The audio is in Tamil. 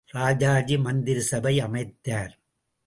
ராஜாஜி மந்திரிசபை அமைத்தார்.